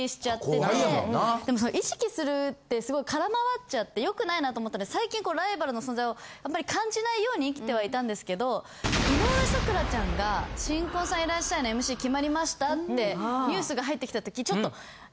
でもその意識するってすごい空回っちゃって良くないなと思ったら最近ライバルの存在をやっぱり感じないように生きてはいたんですけど井上咲楽ちゃんが『新婚さんいらっしゃい！』のＭＣ決まりましたってニュースが入ってきたときちょっと。